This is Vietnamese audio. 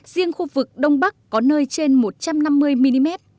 riêng khu vực đông bắc có nơi trên một trăm năm mươi mm